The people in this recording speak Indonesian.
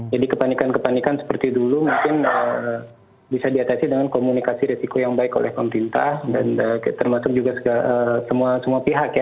jadi kepanikan kepanikan seperti dulu mungkin bisa diatasi dengan komunikasi resiko yang baik oleh pemerintah dan termasuk juga semua pihak ya